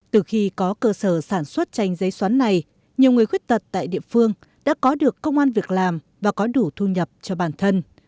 từ khi có cơ sở sản xuất tranh giấy xoắn này nhiều người khuyết tật tại địa phương đã có được công an việc làm và có đủ thu nhập cho bản thân